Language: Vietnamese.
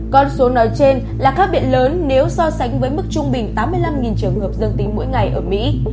con số nói trên là khác biệt lớn nếu so sánh với mức trung bình tám mươi năm trường hợp dương tính mỗi ngày ở mỹ